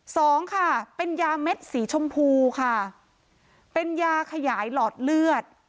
สองค่ะเป็นยาเม็ดสีชมพูค่ะเป็นยาขยายหลอดเลือด